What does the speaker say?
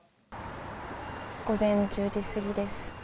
午前１０時過ぎです。